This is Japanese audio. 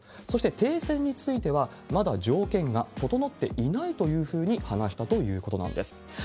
そして停戦については、まだ条件が整っていないというふうに話したということなんです。